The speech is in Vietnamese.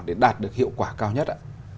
để đạt được hiệu quả cao nhất